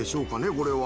これは。